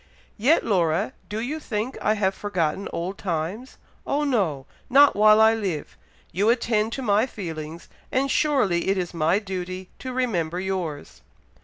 Yet, Laura, do you think I have forgotten old times! Oh, no! not while I live. You attend to my feelings, and surely it is my duty to remember yours."